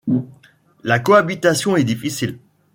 La cohabitation est difficile.